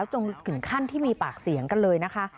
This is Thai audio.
จนถึงขั้นที่มีปากเสียงกันเลยนะคะ